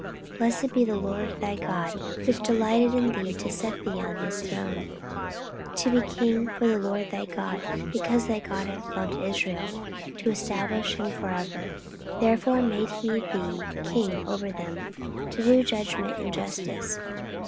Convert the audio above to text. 14:009:008 Blessed be the LORD thy God, which delighted in thee to set thee on his throne, to be king for the LORD thy God: because thy God loved Israel, to establish them for ever, therefore made he thee king over them, to do judgment and justice.